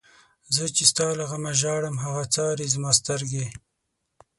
زه چی ستا له غمه ژاړم، هغه څاری زما سترگی